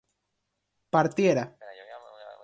partiera